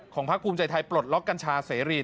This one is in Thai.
ของพระควมศัยไทยปลดล็อกกัญชาเสรี